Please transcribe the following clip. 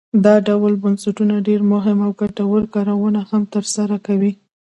دا ډول بنسټونه ډیر مهم او ګټور کارونه هم تر سره کوي.